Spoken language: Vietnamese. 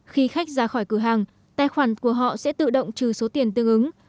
khi khách ra khỏi cửa hàng tài khoản của họ sẽ tự động trừ số tiền tương ứng